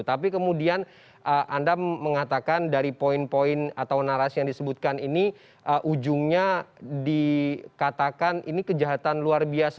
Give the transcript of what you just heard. tapi kemudian anda mengatakan dari poin poin atau narasi yang disebutkan ini ujungnya dikatakan ini kejahatan luar biasa